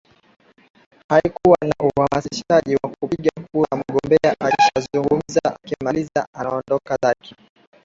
haikuwa na uhamasishaji wa kupiga kura mgombea akisha zugumza akimaliza anaondoka zake